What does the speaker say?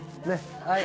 はい。